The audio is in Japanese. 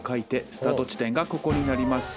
スタート地点がここになります。